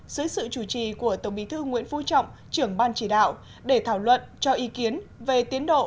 dưới sự chủ trì của tổng bí thư nguyễn phú trọng trưởng ban chỉ đạo để thảo luận cho ý kiến về tiến độ